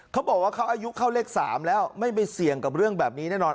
เขาบอกว่าเขาอายุเข้าเลข๓แล้วไม่ไปเสี่ยงกับเรื่องแบบนี้แน่นอน